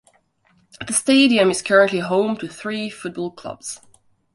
The stadium is currently home to three football clubs.